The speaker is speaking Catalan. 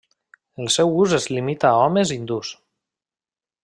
El seu ús es limita a homes hindús.